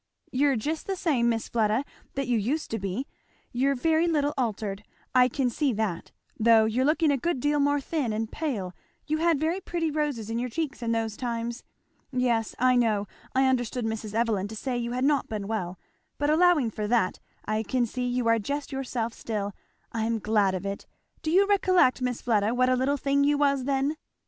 "You're just the same, Miss Fleda, that you used to be you're very little altered I can see that though you're looking a good deal more thin and pale you had very pretty roses in your cheeks in those times. Yes, I know, I understood Mrs. Evelyn to say you had not been well; but allowing for that I can see you are just yourself still I'm glad of it. Do you recollect, Miss Fleda, what a little thing you was then?"